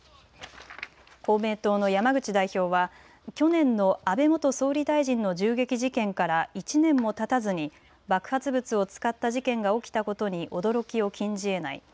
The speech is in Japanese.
公明党の山口代表は去年の安倍元総理大臣の銃撃事件から１年もたたずに爆発物を使った事件が起きたことに驚きを禁じえない。